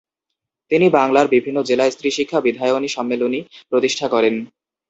তিনি বাংলার বিভিন্ন জেলায় স্ত্রীশিক্ষা বিধায়নী সম্মেলনী প্রতিষ্ঠা করেন।